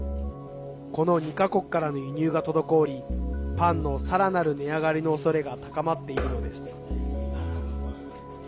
この２か国からの輸入が滞りパンのさらなる値上がりのおそれが高まっているのです。